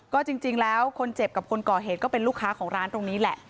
ก็จริงแล้วคนเจ็บกับคนก่อเหตุก็เป็นลูกค้าของร้านตรงนี้แหละ